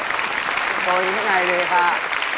กระโทนกันข้างในเลยค่ะ